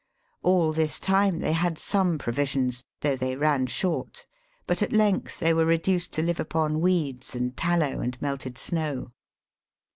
All this time they had some provisions, though they ran short, but at length they were reduced to live upon weeds and tallow and melted snow.